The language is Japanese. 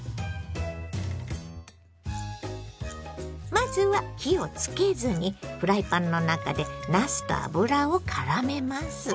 まずは火をつけずにフライパンの中でなすと油をからめます。